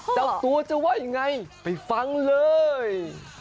เจ้าตัวจะว่ายังไงไปฟังเลย